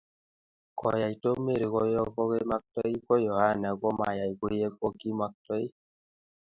koyai tom Mary kuyekokimaktoi ko yahana komayai kuyee kokimaktoi